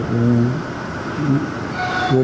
và sử dụng